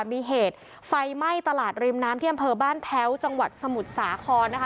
มีเหตุไฟไหม้ตลาดริมน้ำที่อำเภอบ้านแพ้วจังหวัดสมุทรสาครนะคะ